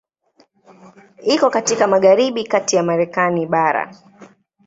Iko katika magharibi kati ya Marekani bara.